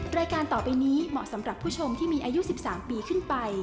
รายการต่อไปนี้เหมาะสำหรับผู้ชมที่มีอายุ๑๓ปีขึ้นไป